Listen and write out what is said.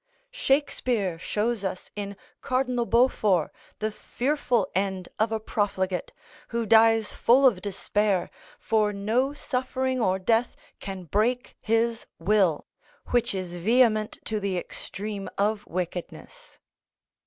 Shakespeare shows us in Cardinal Beaufort the fearful end of a profligate, who dies full of despair, for no suffering or death can break his will, which is vehement to the extreme of wickedness.